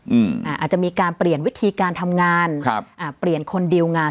อืมอ่าอาจจะมีการเปลี่ยนวิธีการทำงานครับอ่าเปลี่ยนคนดีลงาน